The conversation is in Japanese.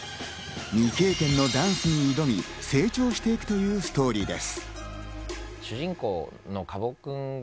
未経験のダンスに挑み、成長していくというストーリーです。